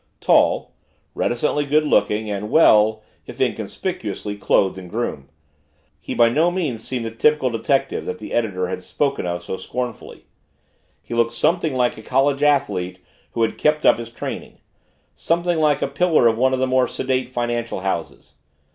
Tall, reticently good looking and well, if inconspicuously, clothed and groomed, he by no means seemed the typical detective that the editor had spoken of so scornfully. He looked something like a college athlete who had kept up his training, something like a pillar of one of the more sedate financial houses.